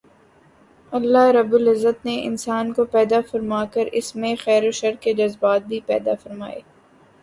اللہ رب العزت نے انسان کو پیدا فرما کر اس میں خیر و شر کے جذبات بھی پیدا فرمائے